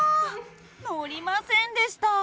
のりませんでした。